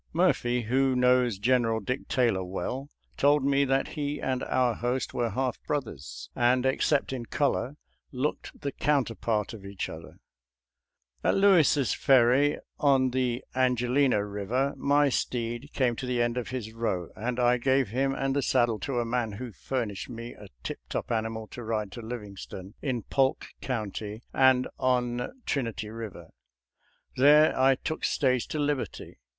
Murphy, who knows General Dick Taylor well, told me that he and our host were half brothers, and except in color looked the counterpart of each other. »•• At Lewis' Ferry on the Angelina Eiver my steed came to the end of his row, and I gave him and the saddle to a man who furnished me a tiptop animal to ride to Livingstone in Polk County, and on Trinity Eiver. There I took stage to Liberty.